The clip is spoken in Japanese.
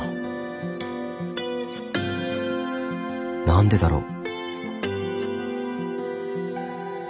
何でだろう？